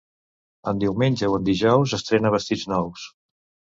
En diumenge o en dijous estrena vestits nous.